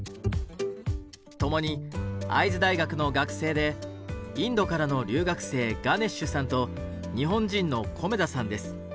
共に会津大学の学生でインドからの留学生ガネッシュさんと日本人の米田さんです。